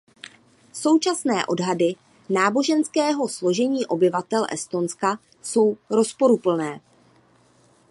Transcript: Současné odhady náboženského složení obyvatel Estonska jsou rozporuplné.